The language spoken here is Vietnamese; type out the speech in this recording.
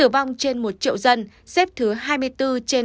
vùng lãnh thổ châu á và xếp thứ bốn của khối asean